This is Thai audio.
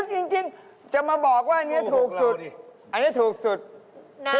ครับผมขนาด๓๖คูณ๔๕